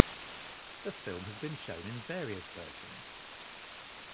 The film has been shown in various versions.